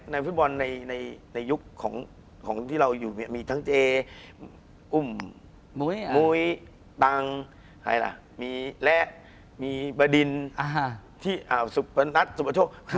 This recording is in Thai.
ในฟิศบอลในยุคของที่เราอยู่มีทั้งเจอุ่มมุยตังและมีประดินสุปนัสสุปโชค